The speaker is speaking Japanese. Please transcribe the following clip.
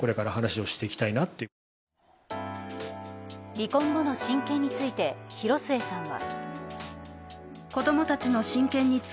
離婚後の親権について広末さんは。